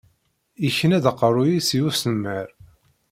Yekna-d aqerruy-is i usnemmer.